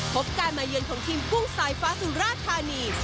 พบการมาเยือนของทีมกุ้งสายฟ้าสุราธานี